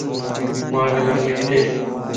مانک رلي ڏي